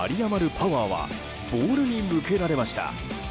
パワーはボールに向けられました。